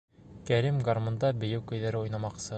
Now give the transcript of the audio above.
Кәрим гармунда бейеү көйҙәре уйнамаҡсы.